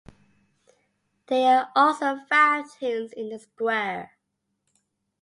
There are also fountains in the square.